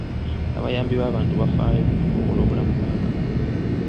Abayambi b'abantu bafaayo ku kutumbula obulamu bw'abantu.